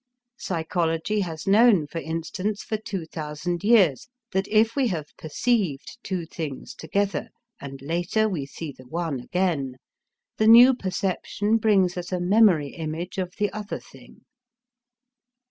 Psychology has known, for instance, for two thousand years, that if we have perceived two things together, and later we see the one again, the new perception brings us a memory image of the other thing.